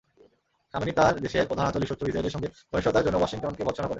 Khamenei তাঁর দেশের প্রধান আঞ্চলিক শত্রু ইসরায়েলের সঙ্গে ঘনিষ্ঠতার জন্য ওয়াশিংটনকে ভর্ৎসনা করেন।